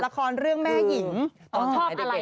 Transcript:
คือชอบอะไร